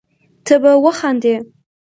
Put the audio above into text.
ته به وخاندي